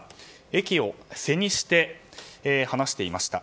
駅を背にして話していました。